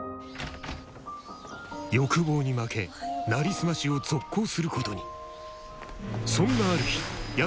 欲望に負けなりすましを続行することに。